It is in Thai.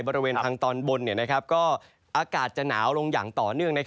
บริเวณทางตอนบนอากาศจะหนาวลงอย่างต่อเนื่อง